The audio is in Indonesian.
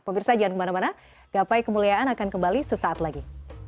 pemirsa jangan kemana mana gapai kemuliaan akan kembali sesaat lagi